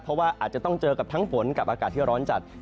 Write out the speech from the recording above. เพราะว่าอาจจะต้องเจอกับทั้งฝนกับอากาศที่ร้อนจัด